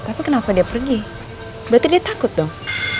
tapi kenapa dia pergi berarti dia takut dong